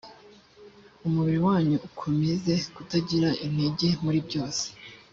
umubiri wanyu ukomeze kutagira inenge muri byose